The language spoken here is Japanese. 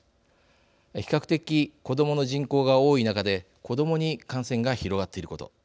比較的子どもの人口が多い中で子どもに感染が広がっていること。